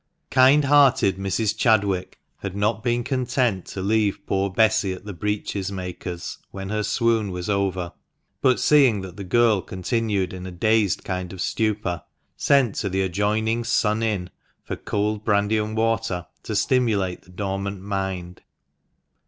Kind hearted Mrs. Chadwick had not been content to leave poor Bessy at the breeches maker's when her swoon was over ; but, seeing that the girl continued in a dazed kind of stupor, sent to the adjoining " Sun Inn " for cold brandy and water, to stimulate the dormant mind.